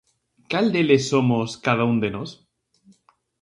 Cal deles somos cada un de nós?